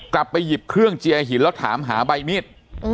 กลับไปหยิบเครื่องเจียหินแล้วถามหาใบมีด